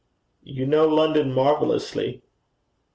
'You know London marvellously.'